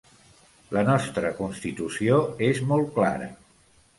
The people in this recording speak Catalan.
La nostra constitució és molt clara.